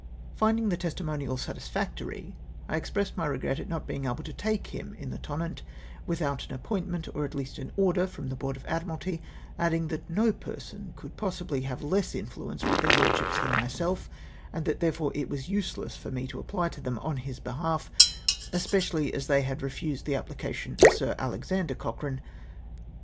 Finding the testimonials satisfactory, I expressed my regret at not being able to take liim in the Tonnant without an appointment, or at least an order, from the Board of Admiralty ; adding, that no person could possibly have less mfluence with their Lordships than myself, and that therefore it was useless for me to apply to them on his behalf, especially as they had refused the apphcation of Sir Alexander Cochrane.